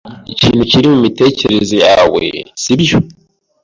Ikintu kiri mumitekerereze yawe, sibyo?